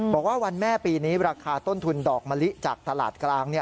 บอกว่าวันแม่ปีนี้ราคาต้นทุนดอกมะลิจากตลาดกลาง